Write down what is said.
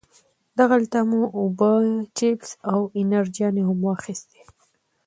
دغلته مو اوبه، چپس او انرژيانې هم واخيستې.